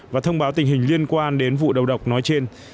và thông báo tình hình liên quan đến vụ đầu độc nói trên